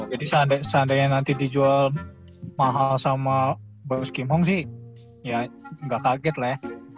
jadi seandainya nanti dijual mahal sama bos kim ho sih ya gak kaget lah ya